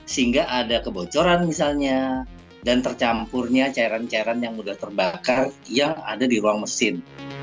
sehingga ada kebocoran misalnya dan tercampurnya cairan cairan yang sudah terbakar yang ada di ruang mesin